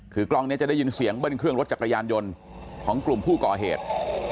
คือกล้องนี้จะได้ยินเสียงเบิ้ลเครื่องรถจักรยานยนต์ของกลุ่มผู้ก่อเหตุ